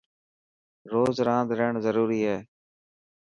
روز راند رهڻ ضروري هي.